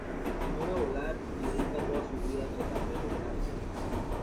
Añora volar y dedica toda su vida a tratar de lograrlo.